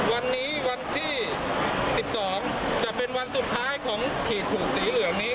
วันนี้วันที่๑๒จะเป็นวันสุดท้ายของขีดถุงสีเหลืองนี้